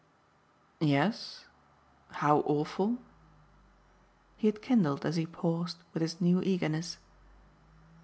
"Yes, how awful?" He had kindled, as he paused, with his new eagerness.